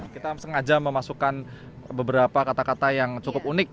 kita sengaja memasukkan beberapa kata kata yang cukup unik